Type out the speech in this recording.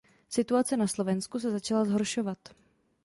Situace na Slovensku se začala zhoršovat.